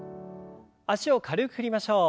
脚を軽く振りましょう。